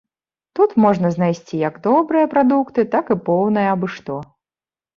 Тут можна знайсці як добрыя прадукты, так і поўнае абы што.